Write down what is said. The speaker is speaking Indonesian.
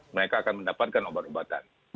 mereka akan mendapatkan obat obatan